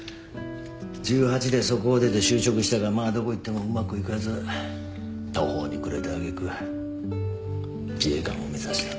１８でそこを出て就職したがまあどこ行ってもうまくいかず途方に暮れた揚げ句自衛官を目指した。